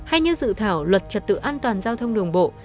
hay như dự thảo luật trật tự an toàn giao thông đường bộ